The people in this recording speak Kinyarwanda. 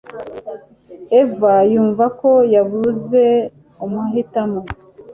Eva yumva ko yabuze amahitamo